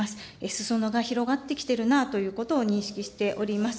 すそ野が広がってきてるなということを認識しております。